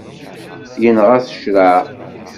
Yenɣa-t ccreɛ.